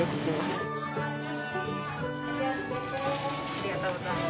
ありがとうございます。